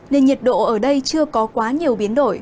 nên nhiệt độ ở đây chưa có quá nhiều biến đổi